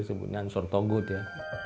sebutnya ansur togut ya